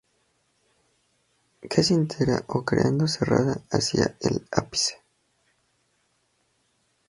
Casi entera o crenado- serrada hacia el ápice.